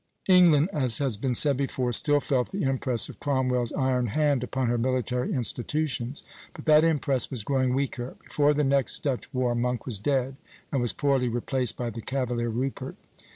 " England, as has been said before, still felt the impress of Cromwell's iron hand upon her military institutions; but that impress was growing weaker. Before the next Dutch war Monk was dead, and was poorly replaced by the cavalier Rupert.